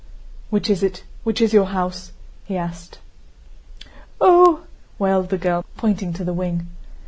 "Which is it? Which is your house?" he asked. "Ooh!" wailed the girl, pointing to the wing.